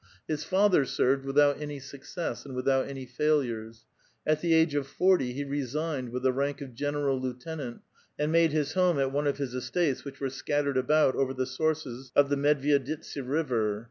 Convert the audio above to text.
His father served without any success, and without any failures ; at the age of forty he resigned "with the rank of general lieutenant, arid made his home at one of his estates which were scattered about over the sources of the Medvyeditsa River.